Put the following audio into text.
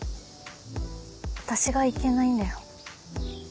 私がいけないんだよ。